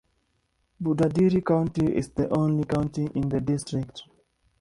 Budadiri County is the only county in the district.